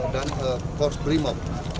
dan korps brimob